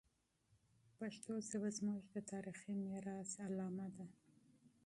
پښتو ژبه زموږ د تاریخي میراث نښه ده.